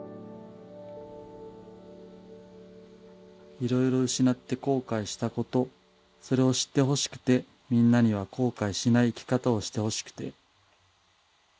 「いろいろ失って後悔したことそれを知って欲しくてみんなには後悔しない生き方をして欲しくて」。